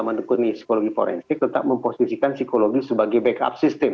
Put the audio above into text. yang tekuni psikologi forensik tetap memposisikan psikologi sebagai backup system